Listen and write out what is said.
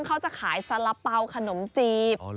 เขาจะขายสาระเป๋าขนมจีบ